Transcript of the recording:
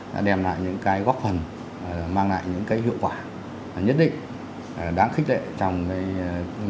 đã đem lại những cái góp phần mang lại những cái hiệu quả nhất định đáng khích lệ trong các vấn đề này